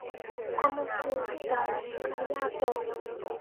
它们是的一个亚种。